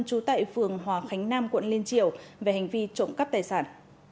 trú tại phường hòa khánh nam quận liên triều về hành vi trụng cấp tài sản